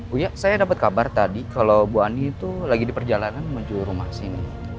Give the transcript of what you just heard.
buya saya dapat kabar tadi kalau bu ani itu lagi di perjalanan menuju rumah sini